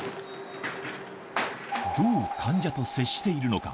どう患者と接しているのか。